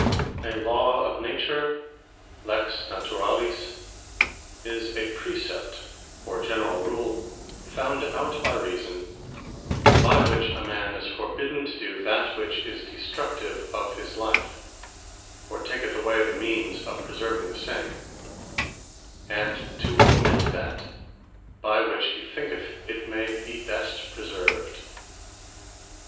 A Law Of Nature What A LAW OF NATURE, (Lex Naturalis,) is a Precept, or generall Rule, found out by Reason, by which a man is forbidden to do, that, which is destructive of his life, or taketh away the means of preserving the same; and to omit, that, by which he thinketh it may be best preserved.